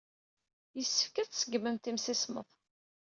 Yessefk ad tṣeggmemt imsismeḍ.